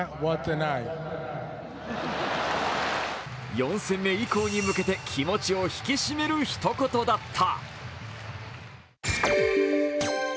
４戦目以降に向けて、気持ちを引き締める一言だった。